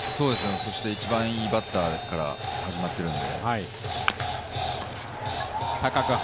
一番いいバッターから始まっているので。